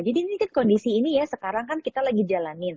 jadi ini kan kondisi ini ya sekarang kan kita lagi jalanin